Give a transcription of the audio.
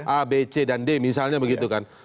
a b c dan d misalnya begitu kan